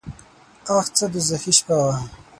اخ څه دوږخي شپه وه .